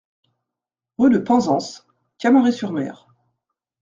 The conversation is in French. Rue de Penzance, Camaret-sur-Mer